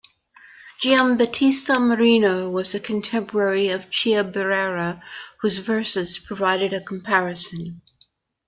Giambattista Marino was a contemporary of Chiabrera whose verses provide a comparison.